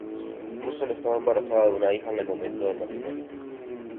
Russell estaba embarazada de una hija en el momento del matrimonio.